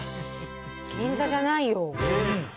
銀座じゃないよ。